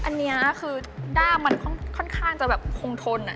อันนี้คือด้ามมันค่อนข้างจะแบบคงทน